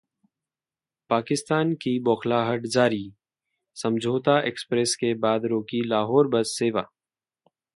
पाकिस्तान की बौखलाहट जारी, समझौता एक्सप्रेस के बाद रोकी लाहौर बस सेवा